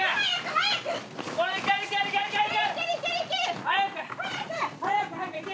早く早く！